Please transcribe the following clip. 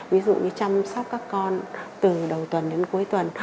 ví dụ như chăm sóc các con từ đầu tuần đến cuối tuần